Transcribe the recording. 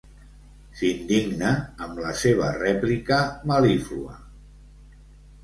S'indigna amb la seva rèplica mel·líflua.